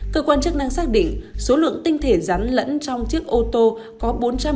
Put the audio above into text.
cơ quan chức năng xác định số lượng tinh thể rắn lẫn trong chiếc ô tô có bốn trăm linh